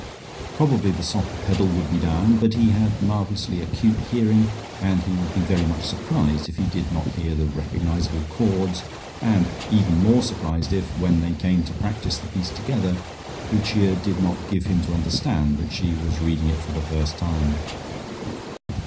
Probably the soft pedal would be down, but he had marvellously acute hearing, and he would be very much surprised if he did not hear the recognisable chords, and even more surprised if, when they came to practise the piece together, Lucia did not give him to understand that she was reading it for the first time.